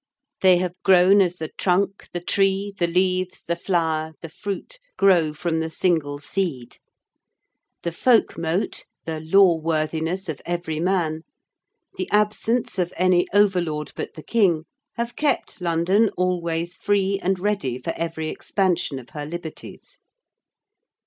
They have grown as the trunk, the tree, the leaves, the flower, the fruit, grow from the single seed. The Folk Mote, the 'Law worthiness' of every man, the absence of any Over Lord but the King, have kept London always free and ready for every expansion of her liberties.